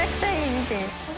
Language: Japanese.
見て。